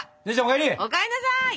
お帰んなさい！